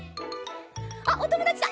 あっおともだちだ！